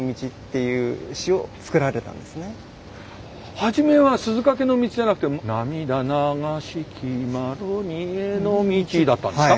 初めは「鈴懸の径」じゃなくて「涙流しきマロニエの径」だったんですか？